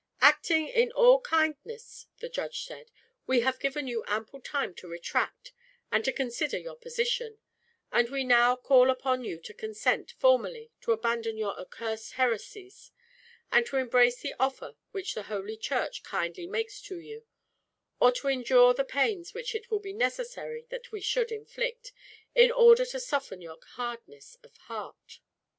"Acting in all kindness," the judge said, "we have given you ample time to retract, and to consider your position; and we now call upon you to consent, formally, to abandon your accursed heresies, and to embrace the offer which the holy church kindly makes to you; or to endure the pains which it will be necessary that we should inflict, in order to soften your hardness of heart."